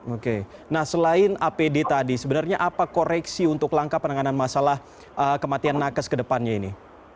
oke nah selain apd tadi sebenarnya apa koreksi untuk langkah penanganan masalah kematian nakes ke depannya ini